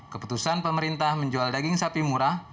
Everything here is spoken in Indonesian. keputusan pemerintah menjual daging sapi murah